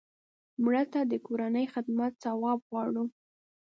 مړه ته د کورنۍ خدمت ثواب غواړو